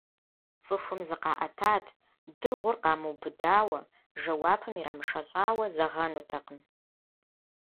Цӏыхум зыкъаӏэтат, дыгъур къамыубыдауэ, жэуапым ирамышэлӀауэ зэгъэнутэкъым.